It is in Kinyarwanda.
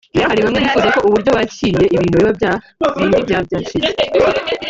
rero hari bamwe bifuza ko uburyo bakiriye ibintu biba bya bindi bya byacitse